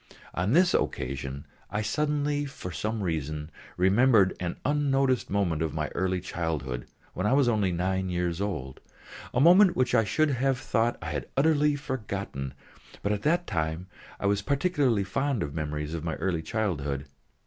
On this occasion, I suddenly for some reason remembered an unnoticed moment in my early childhood when I was only nine years old a moment which I should have thought I had utterly forgotten; but at that time I was particularly fond of memories of my early childhood.